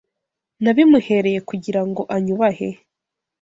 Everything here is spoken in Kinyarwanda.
nabimuhereye kugira ngo anyubahe